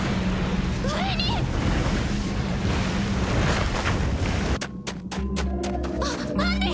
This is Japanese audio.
はっ！あっアンディ！